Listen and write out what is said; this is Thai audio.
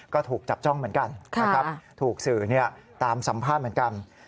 ก็ถูกจับจ้องเหมือนกันนะครับถูกสื่อตามสัมภาษณ์เหมือนกัน